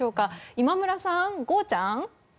今村さん、ゴーちゃん。